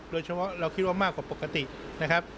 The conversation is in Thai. โดยเฉพาะเราคิดว่ามากกว่าปกตินะครับ